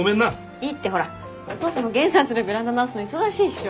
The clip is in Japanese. いいってほらお父さんは源さんちのベランダ直すのに忙しいっしょ。